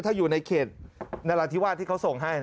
ถ้าอยู่ในเขตนราธิวาสที่เขาส่งให้